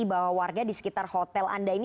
bahwa warga di sekitar hotel anda ini